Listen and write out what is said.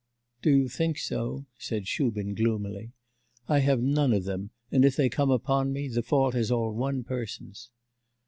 'Do you think so?' said Shubin gloomily. 'I have none of them, and if they come upon me, the fault is all one person's.